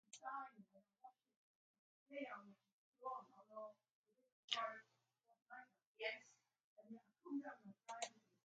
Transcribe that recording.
He is an occasional speaker for various Southern California orchid societies.